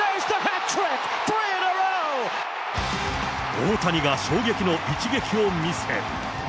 大谷が衝撃の一撃を見せ。